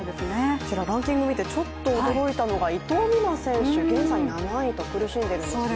こちらランキング見てちょっと驚いたのが伊藤美誠選手、現在７位と苦しんでいるようですね。